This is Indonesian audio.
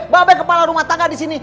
bebek kepala rumah tangga di sini